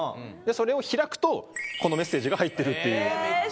それを開くと、このメッセージが入ってるっていう。